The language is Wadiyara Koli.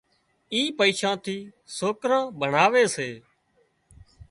اي پئيشان ٿي سوڪران ڀڻاوي سي